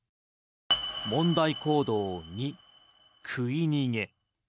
問題行動２、食い逃げ。